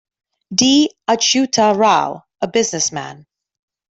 D. Achyuta Rao, a businessman.